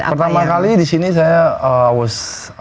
pertama kali disini saya